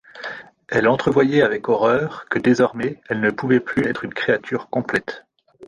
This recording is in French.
Elle entrevoyait avec horreur que désormais elle ne pouvait plus être une créature complète.